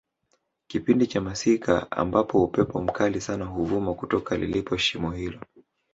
kipindi cha masika ambapo upepo mkali sana huvuma kutoka lilipo shimo hilo